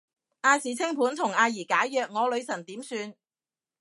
亞視清盤同阿儀解約，我女神點算